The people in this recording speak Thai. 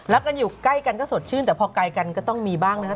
กันอยู่ใกล้กันก็สดชื่นแต่พอไกลกันก็ต้องมีบ้างนะครับ